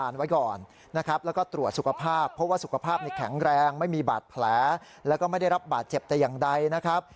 ยังไม่มีบาดแผลแล้วก็ไม่ได้รับบาดเจ็บแต่อย่างใดนะครับ